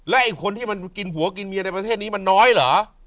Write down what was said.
ไอ้คนที่มันกินผัวกินเมียในประเทศนี้มันน้อยเหรอ